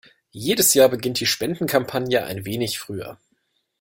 Jedes Jahr beginnt die Spendenkampagne ein wenig früher.